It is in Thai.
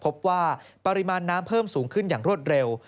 พบว่าปริมาณน้ำเพิ่มสูงขึ้นอย่างรวดเร็ว